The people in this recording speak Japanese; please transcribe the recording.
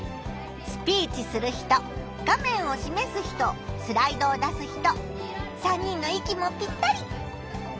スピーチする人画面をしめす人スライドを出す人３人の息もぴったり！